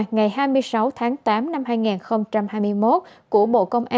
ngày hai mươi sáu tháng tám năm hai nghìn hai mươi một của bộ công an